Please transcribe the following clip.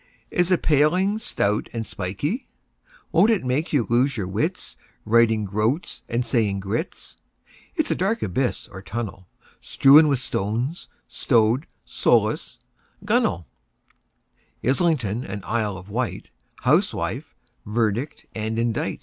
— Is a paling, stout and spikey; Won't it make you lose your wits, Writing "groats" and saying groats? It's a dark abyss or tunnel, Strewn with stones, like rowlock, gunwale, Islington and Isle of Wight, Housewife, verdict and indict!